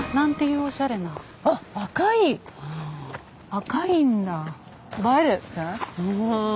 赤いんだ。